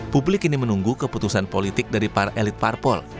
publik ini menunggu keputusan politik dari para elit parpol